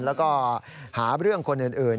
แล้วก็หาเรื่องคนอื่น